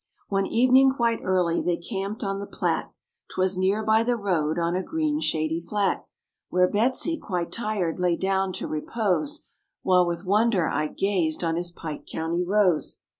One evening quite early they camped on the Platte, 'Twas near by the road on a green shady flat; Where Betsy, quite tired, lay down to repose, While with wonder Ike gazed on his Pike County rose.